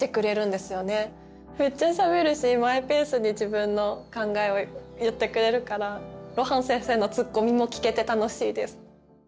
めっちゃしゃべるしマイペースに自分の考えを言ってくれるから露伴先生のツッコミも聞けて楽しいです。